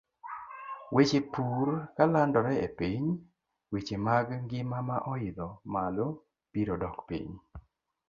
Weche pur kolandore e piny, weche mag ngima ma oidho malo biro dok piny.